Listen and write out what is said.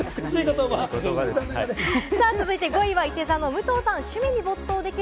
５位はいて座の武藤さん。